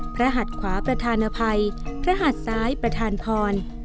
พระหัตุขวาประธานไพรพระหัตุซ้ายประธานพร